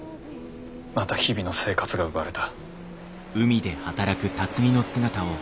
また日々の生活が奪われた。